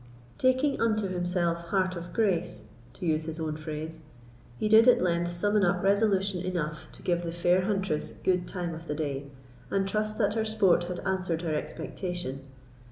Taking unto himself heart of grace (to use his own phrase), he did at length summon up resolution enough to give the fair huntress good time of the day, and trust that her sport had answered her expectation.